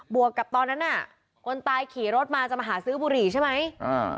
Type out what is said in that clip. วกกับตอนนั้นน่ะคนตายขี่รถมาจะมาหาซื้อบุหรี่ใช่ไหมอ่า